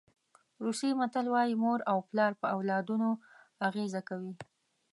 روسي متل وایي مور او پلار په اولادونو اغېزه کوي.